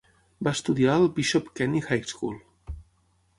Va estudiar al Bishop Kenny High School.